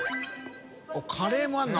カレーもあるの？